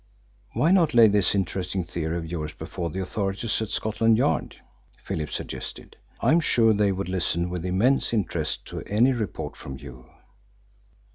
"Why not lay this interesting theory of yours before the authorities at Scotland Yard?" Philip suggested. "I am sure they would listen with immense interest to any report from you."